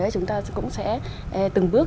chúng ta cũng sẽ từng bước